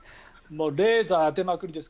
レーザー当てまくりです。